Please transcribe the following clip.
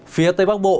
phía tây bắc bộ